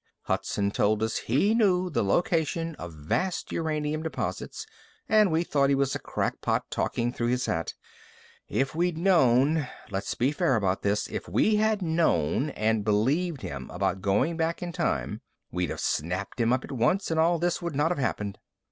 Hudson told us he knew the location of vast uranium deposits and we thought he was a crackpot talking through his hat. If we'd known let's be fair about this if we had known and believed him about going back in time, we'd have snapped him up at once and all this would not have happened."